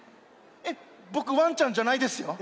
えっボクワンちゃんじゃないですよ。